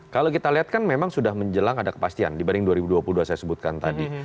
kalau kita lihat kan memang sudah menjelang ada kepastian dibanding dua ribu dua puluh dua saya sebutkan tadi